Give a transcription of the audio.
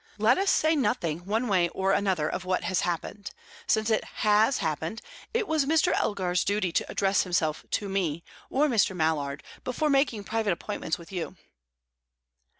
Let us say nothing, one way or another, of what has happened. Since it has happened, it was Mr. Elgar's duty to address himself to me, or to Mr. Mallard, before making private appointments with you."